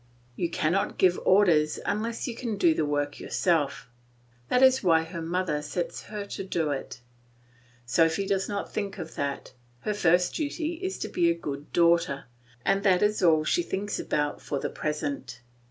You cannot give orders unless you can do the work yourself; that is why her mother sets her to do it. Sophy does not think of that; her first duty is to be a good daughter, and that is all she thinks about for the present.